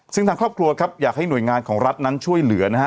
ซึ่งทางครอบครัวครับอยากให้หน่วยงานของรัฐนั้นช่วยเหลือนะฮะ